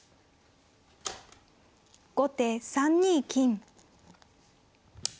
後手３二金。